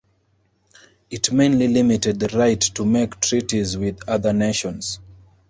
It mainly limited the right to make treaties with other nations.